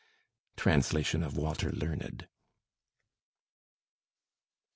Translation of Walter Learned.